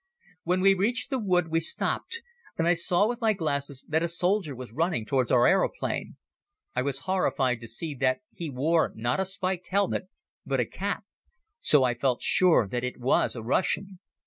When we had reached the wood we stopped and I saw with my glasses that a soldier was running towards our aeroplane. I was horrified to see that he wore not a spiked helmet but a cap. So I felt sure that it was a Russian.